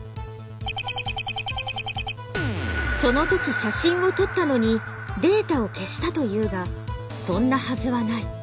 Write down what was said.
その時写真を撮ったのにデータを消したというがそんなはずはない。